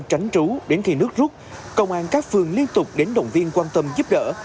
tránh trú đến khi nước rút công an các phường liên tục đến động viên quan tâm giúp đỡ